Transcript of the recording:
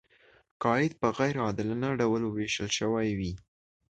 که عاید په غیر عادلانه ډول ویشل شوی وي.